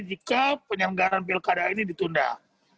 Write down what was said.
jika penyelenggaraan pilkada ini ditambah